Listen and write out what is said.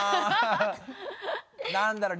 何だろう？